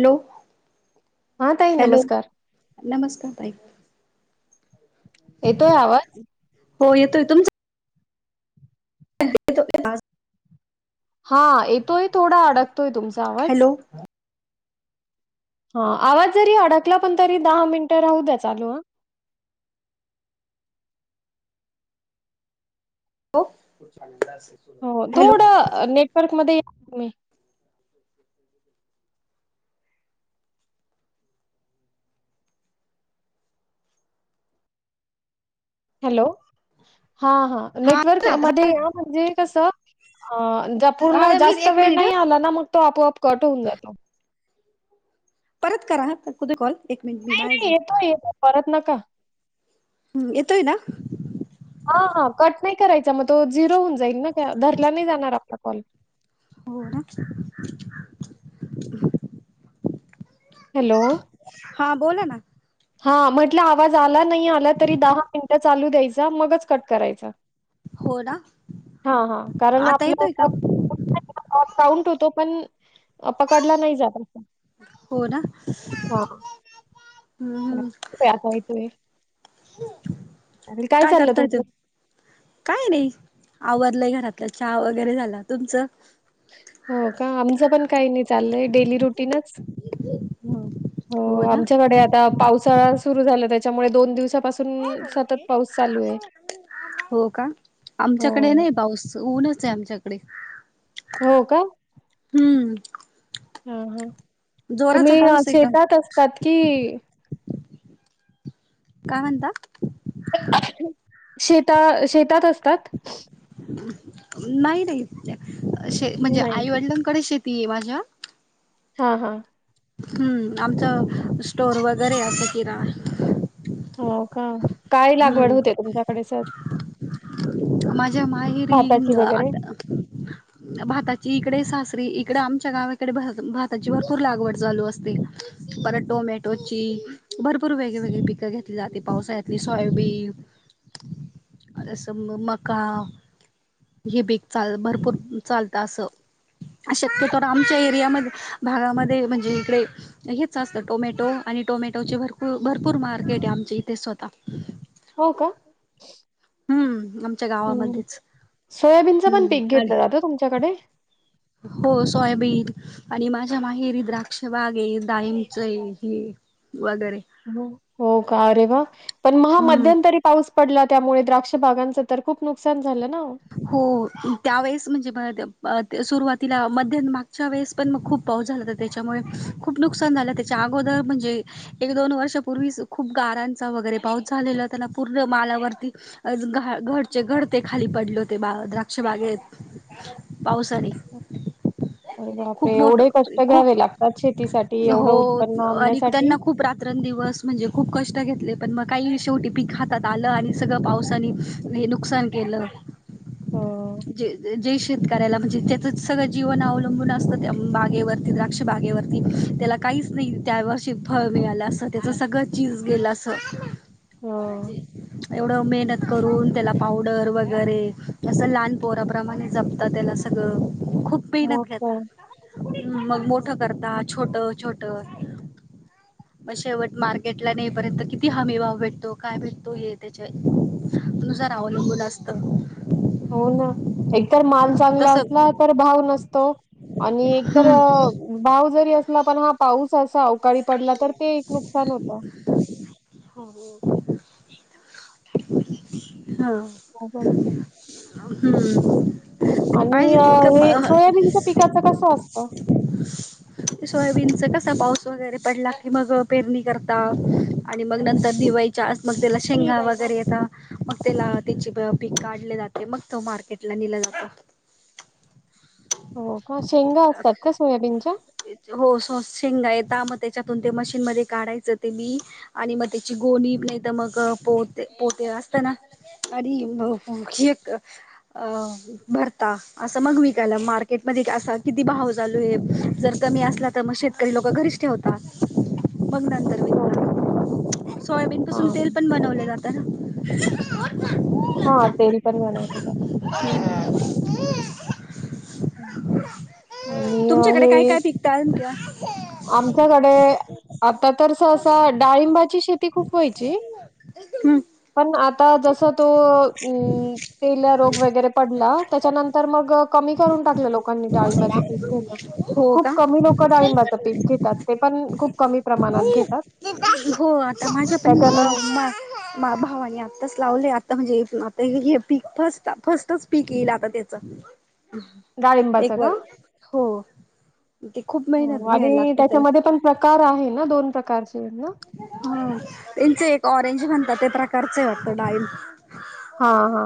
Hello हा ताई hello? नमस्कार. नमस्कार ताई, येतोय आवाज? हो येतोय तुमचा, [unintelligible] हा येतोय थोडा, अडकतोय तुमचा आवाज, हॅलो हा आवाज जरी अडकला, पण तरी दहा मिनिट राहू द्या चालू ह, हो, [unintelligible] हो हॅलो थोडं नेटवर्क मध्ये या तुम्ही हॅलो हा हां हा नेटवर्क आता मध्ये या म्हणजे कस अ पूर्ण मी जास्त एक वेळ मिनिट हा नाही आला ना मग तो आपोआप कट होऊन जातो. परत करा कुदे कॉल एक मिनिट मी नाही बाहेर नाही जात येतोय येतोय परत नका, हम्म येतोय ना, हा हा कट नाही करायचा मग तो झिरो होऊन जाईल ना धरला नाही जाणार आपला कॉल होय ना? हॅलो. [unintelligible] हा बोला ना हा म्हटलं आवाज आला नाही आला तरी दहा मिनिटं चालू द्यायचा मगच कट करायचा होड, हा हा कारण आपलंउंट होतो पण पकडला नाही जात हो ना, हां, हम्म [unintelligible] आणि काय चाललं करता येत? तुमचं? काई नाये आवडलंय घरातलं चहा वगैरे झाला तुमचं हो का आमचं पण काही नाही चाललंय डेली रुटीनच हो आमच्याकडे आता पावसाळा सुरू झाला त्याच्यामुळे दोन दिवसा सतत पाऊसा हो का आमच्याकडे हो. नाही बाऊस ऊनच आहे आमच्याकडे [unintelligible] हो का? हम्म हा हा तुम्ही जोराचा पाऊस आहे का शेतात असतात कि काय म्हणता? शता शेतात असतात. नाही नाही शे म्हणजे नाही. आईवडिलांकडे शेती आहे माझ्या हा हा, हम्म आमचं स्टोर वगैरे असं किरा हो का काय लागवड होते तुमच्याकडे स माझ्या माहेरी वगैरे? आता भाताची इकडेच इकडे आमच्या गावाकडे भ भाताची भरपूर लागवड चालू असते परत टोमॅटोची भरपूर वेगळेवेेगळे पिकं घेतली जाते पावसाली सोयाबीन मका हे बीक चाल भरपूर चालत असं शक्यत आमच्या एरियामध्ये भागामध्ये म्हणजे इकडे हेच असतं टोमॅटो आणि आणि टोमॅटोचे भरपूर भरपूर मार्केट आहे आमच्या इथे स्वतः हो का? हम्म आमच्या हं. गावामध्येच सोयाबीनचं पण पीक हम्म आणि घेतलं जातं तुमच्याकडे? हो सोयाबीन आणि माझ्या माहेरी द्राक्ष बाग आहे डायंच हे वगैरे हो हो का अ रे वा पण महा हम्म मध्यंतरी पाऊस पडला त्यामुळे द्राक्ष भागांचं तर खूप नुकसान झालं ना ओ? हो त्यावेेळेस म्हणजे ब सुरुवातीला म मागच्या वेळेस पण मग खूप पाऊस झाला तर त्याच्यामुळे खूप नुकसान झालं त्याच्या अगोदर म्हणजे एक दोन वर्षपूर्वी खूप गारांचा वगैरे पाऊस झालेलाना पूर्ण मा डचे घडते खाली पडले होते बा द्राक्ष बागेत पावसाने अरे खूप बापरे! मोठ एवढे कष्ट खूप घ्यावे लागतात शेतीसाठी एवढं हो उत्पन्न आणि आणण्यासाठी. त्यांना खूप रातर दि दिवस म्हणजे खूप कष्ट घेत पण मग काही शेवटी पीक हातात आलं आणि सगळं पावसाने हे नुकसान केलं हो. जे शेतकऱ्याला म्हणजे त्याचच सगळं जीवन अवलंबून. बागेवरती द्राक्ष बागेवरती त्याला काहीच नाही त्या फळ मिळालं अस त्याच. सगळ चीज गेल अस हं. एवढ मेहत. करून त्याला पावडर वगैरे असं लहान पोराप्रमाणे जपत त्याला सगळं. खूप मग मेहनत घेता. काय? हम् मग मोठं करता मग छोट छोट. मग शेवट मार्केटला नाहीपर्यंत किती हमी भाव भेटतो काय भेटतो हे त्याच्या. नुसार अवलंबूल असत. हो ना एकतर माल चांगला तस असला तर भाव नसतो. आणि एक तर हम्म भाव जरी असला पण हा पाऊस असा अवकाळी पडला तर. ते एक नुकसान होत. हा अवघडच आहे. हम्म. आणि पाहिजे तितकं हे म सोयाबीनच्या पिकाच कसं असत. सोयाबीनचा कसा पाऊस वगैरे पडला की मग पेरणी करता आणि मग नंतर दिवाळी. मग त्या शेंगा वगैरे य मग त्याला त्या पीक काढले जाते मग त मार्केट. नला जात. [unintelligible] हो का शेंगा असतात का सोयाबीनच्या. हो शेंगा य मग त्याच्यातून मशीन म काढायच ते मी आणि मग त्याची गोणी नाही तर मग पोहते पोहते असत ना. आणि एक भरता असं मग विकाला मार्केटमध्ये. किती भाव चालू आहे जर कमी असला तर मग शेतकरी लोक घरीच ठेवतात मग नंतर हो. ब सोयाबीन हा पासून तेल पण बनवले जात. हा तेल पण बनवले जात. आणिया. तुमच्याकडे काय काय पिकता तुमच्या. आमच्याकडे. आता तर सं डाळिंबाची शेती खूप व्हायची हम्म. पण आ. आता जस तो रोग वरे पडला त्याच्यानंतर म कमी करून टाकलं लोकांनी डाळिंबाचं पीक घेलं हो खूप का? कमी लोकं डाळिंबाचं पीक घेतात ते पण खूप कमी प्रमाणात घेतात. हो माझ्या पण त्याच्यानं मा भावा आताच. लावले आता म्हणजे आता हे पीक फर्स्ट फर्स्टच पीक येईल आता त्याच. डाळिंबाचं एक का? वर हो. ते खूप मेहनत हो घ्यायला आणि लागते त्याला, त्याच्यामध्ये पण प्रकार आहे ना दोन प्रकारचे आहेत ना? हम् त्यांच एक ऑरेंज म्हणतात ते प्रकारचे वाटतं डाईल. हा हा.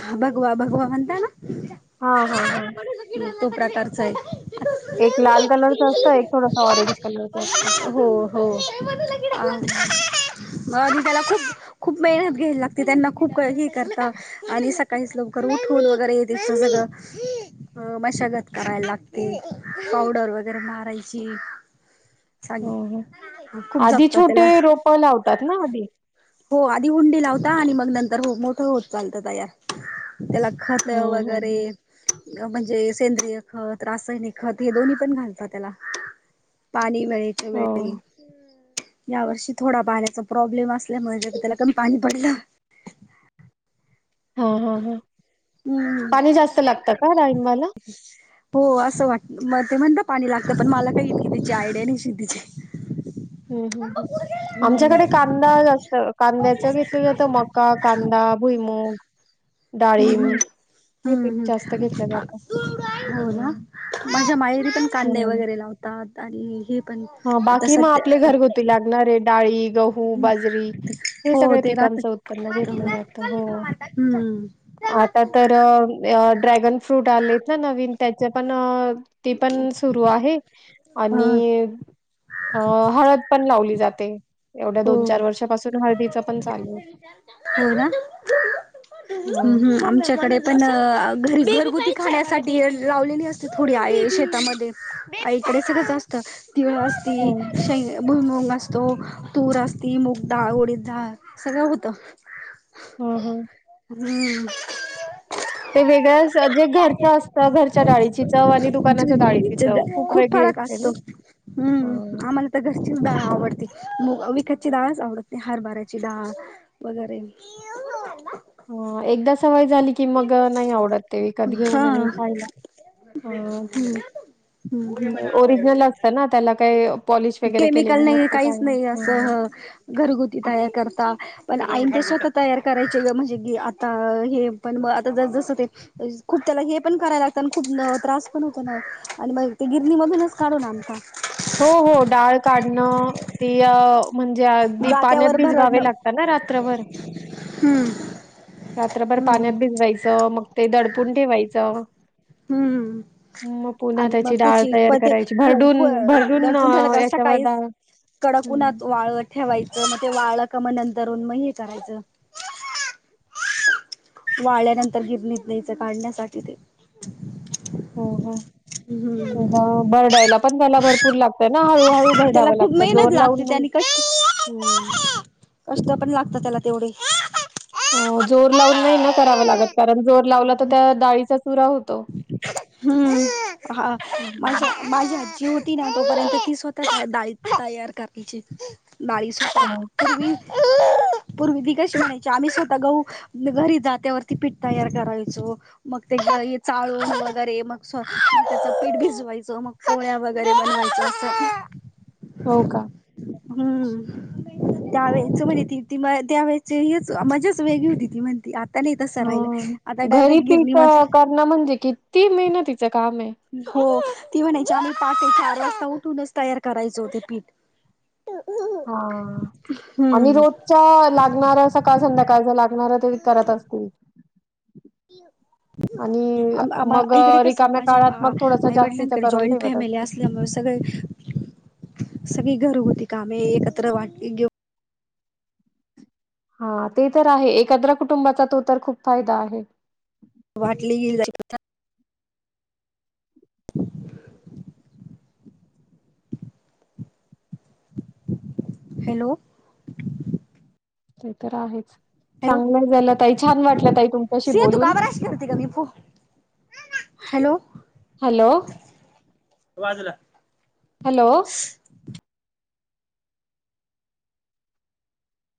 हा भगवा भगवा म्हणता ना. हा हा हा. तो प्रकारचा आहे. एक लाल कलरच असतं एक थोडस ऑरेंज कलरच असतं. हो हो मग हं. मी त्याला खूप. खूप मेहनत घ्यायला लागते. त्यांना खूप हे करता आणि सकाळीच लवकर उठून वगैरे येते सगळं. अ मशागत करायला लागते पावडर वगैरे मारायची. [inaudible] सांग हो हो खूप आधी जपतात छोटे त्याला रोपं लावतात ना आधी. हो आधी हुंडी लावता आणि मग नंतर हो मोठं होत चालत तयार. त्याला खत हं, हं, हं. वगैरे. म्हणजे सेंद्रिय खत, रासायनिक खत हे दोन्ही पण घालतात त्याला पाणी. वेळच्या वेळी हो. या वर्षी थोडा पाण्याचा प्रॉब्लेम असल्यामुळे ज्याच त्याला कमी पाणी पडलं. हो हो हो पाणी जास्त लागतं का हम्म राईबाला हो असं वाटत मग ते म्हणता पाणी लागतं पण मला काही त्याची आयडिया नाही शेतीची, हम् हम् आमच्याकडे कांदा जास्त कांद्याच हम्म घेतलं जातं मका कांदा भुईमुग डाळींब हम हो ना हं. माझ्या माहेरी पण कांदे हं. वगैरे लावतात. आता आणि हे पण हां, आता बाकी मग सध्या आपले घरगुती लागणारे डाळी गहू, बाजरी हे हो सगळ्या ते राहत पिकांचं उत्पन्न घेतलं जात हो. हम्म आता तर ड्रॅगन फ्रूट आलेत ना नवीन त्याचे पण ते पण सुरू आहे हा आणि अ खत पण लावली जाते. एवढ्या हो दोन चार वर्षापासून हळदी च पण चालू आहे. [inaudible] हो ना हं. आमच्याकडे पण घरी घरगुती खाण्यासाठी लावलेली असते थोडी आई शेतामध्ये आईकडेच असत किंवा हो. ती शेंग भुईमूग असतो तूर असती मुगडाळ उडीदडाळ सगळं होत. हम् हम् हम्म हो [inaudible] ते वेगळ्याच जे घरच असतं घरच्या डाळीची चव आणि दुकानाच्या डाळीची चव खूप वेगळी फरक असते असतो. ना. [inaudible] हम्म आम्हाला तर घरचीच डाळ आवडती विकतची डाळच आवडती हरभर्याची डाळ वगैरे ह एकदा सवय झाली कि मग नाही आवडत ते विकत हा घेऊन आणि खायला हा. हम्म हम्म ते ओरिजनल असत ना त्याला काही पॉलिश वगैरे केलेली केमिकल नाही नसते काहीच काय नाही असं घरगुती तयार करतात. पण आईन ते स्वतः तयार करायची म्हणजे की आता हे पण मग आता जस जसं ते खूप त्याला हे पण करायला लागतं आणि खूप त्रास पण होत ना आणि मग गिरणी मधूनच काढून आणता. हो हो डाळ काढणं ती म्हणजे अगदी पाण्यात जात्यावर भिजवावे भरडणं लागतात ना रात्रभर हम्म रात्रभर हम्म पाण्यात भिजवायचं मग ते दडपून ठेवायचं हम्म मग पुन्हा आणि मग त्याची ते डाळ चिप तयार ते करायची. भरडून भरडून झाला अ, क याच्यावर काही डाळ कडकून हं. वाळ ठेवायचं मग ते वाळ का म नंतर मग हे करायचं वाळ्यानंतर गिरणीत द्यायचं काढण्यासाठी ते हो हो तर हम्म भरडायला पण त्याला भरपूर लागतय ना हळूहळू भरडावं लागतं जोर लावून नाही का होम् कष्ट पण लागतात त्याला तेवढे अ, जोर लावून नाही न कराव लागत कारण जोर लावला तर त्या डाळीचा चुरा होतो हम्म हा माझ हं. माझी होती ना तोपर्यंत ती स्वतः ाळी तयार करण्याची बावीस हो, पवीस पूर्वी ती कशी म्हणायची आम्ही स्वतः गह घरी जात त्यावरती पिट तयार करायचो मग ते चाळून वगैरे मग त्याच पीठ भिजवायचं मग पोळ्या वगैरे बनवायच्या अस हो का? हम्म् त्यावेेळेच म्हणे ती ती त्यावेळेचीच हेच मजाच वेगळी होती ती म्हणते आ ह घरी पिंप मध्ये करण म्हणजे किती मेहनतीच काम आहे हो ती म्हणायची आम्ही पाटे चार वाजता उठूनच तयार करायचो हो ते पीठ हा आणि हम्म रोजच्या लागणारा सकाळ संध्याकाळचा लागणारा काहीतरी करत असतील आणि आम्हा आम्हा मग इकडे अ, कस रिकाम्या माझ्या काळात मग थोडस जास्तीच आईवडलांकडे करून जॉईंट ठेवत फॅमिली असतील. असल्यामुळे काय [unintelligible] सगळी घर होती कामे एकत्र वाट घेऊ हा ते तर आहे एकत्र कुटुंबाचा तो तर खूप फायदा आहे. वाटली गे हॅलो ते तर आहेच हॅलो चांगल झाल ताई छान वाटल ताई तुमच्याशी सिया तू बोलून. का बरं अशी करते ग मी फो हॅलो हॅलो बाजूला हॅलो